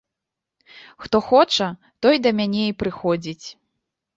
Хто хоча, той да мяне і прыходзіць.